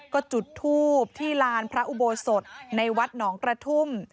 ก็จุดทูบที่ลานพระอุโบสถในวัดหนองกระทุ่ม